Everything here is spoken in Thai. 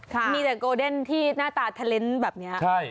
ครามีแต่กอนเดนสูตรวัหน